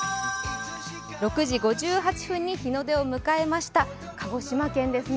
６時５８分に日の出を迎えました、鹿児島県ですね。